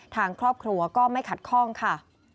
ทางครอบครัวก็ไม่ขัดข้องค่ะ